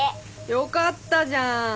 よかったじゃん！